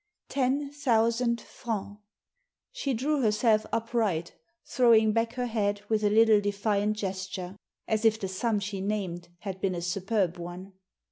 '* Ten thousand francs." She drew herself upright, throwing back her head with a little defiant gesture, as if the sum she named had been a superb one.